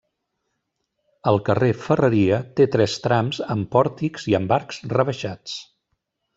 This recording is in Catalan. El carrer Ferreria té tres trams amb pòrtics i amb arcs rebaixats.